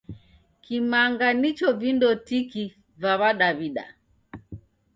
Kimanga nicho vindo tiki va W'adaw'ida.